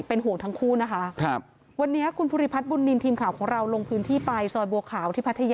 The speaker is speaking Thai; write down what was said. เป็นห่วงทั้งคู่นะคะ